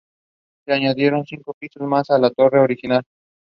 Most of the attendees were ethnic Hazaras.